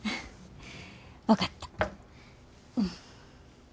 分かった。